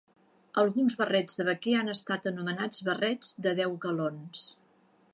Alguns barrets de vaquer han estat anomenats barrets de "deu galons".